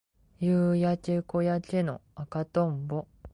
夕焼け小焼けの赤とんぼ